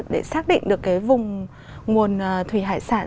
để xác định được cái vùng nguồn thủy hải sản